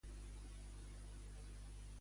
M'he tornat a enganxar a la sèrie "Tor".